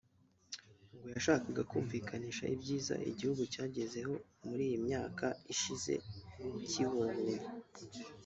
ngo yashakaga kumvikanisha ibyiza igihugu cyagezeho muri iyi myaka ishize cyibohoye